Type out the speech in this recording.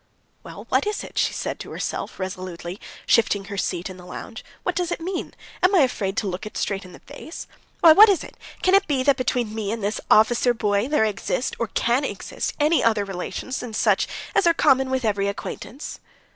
"Well, what is it?" she said to herself resolutely, shifting her seat in the lounge. "What does it mean? Am I afraid to look it straight in the face? Why, what is it? Can it be that between me and this officer boy there exist, or can exist, any other relations than such as are common with every acquaintance?"